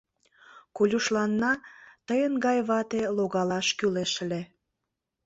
Колюшланна тыйын гай вате логалаш кӱлеш ыле...